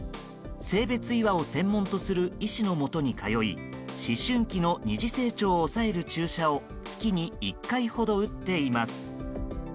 性別違和を専門とする医師のもとに通い思春期の二次性徴を抑える注射を月に１回ほど打っています。